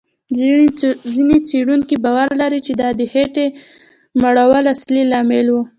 ځینې څېړونکي باور لري، چې دا د خېټې مړولو اصلي لامل و.